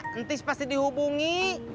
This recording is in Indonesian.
nanti pasti dihubungi